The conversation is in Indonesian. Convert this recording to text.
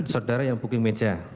saudara yang booking meja